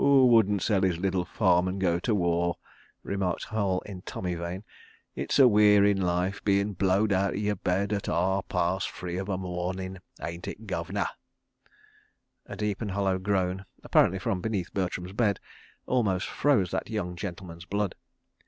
..." "'Oo wouldn' sell 'is liddle farm an' go ter War," remarked Hall in Tommy vein. "It's a wearin' life, being blowed outer yer bed at ar' pars free of a mornin', ain't it, guv'nor?" A deep and hollow groan, apparently from beneath Bertram's bed, almost froze that young gentleman's blood.